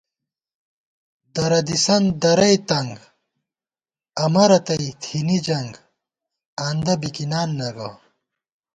درہ دِسن درَئی تنگ ، امہ رتئی تھنی جنگ آندہ بِکِنان نہ گہ